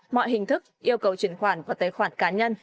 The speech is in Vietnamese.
mọi hình thức yêu cầu chuyển khoản và tế khoản cá nhân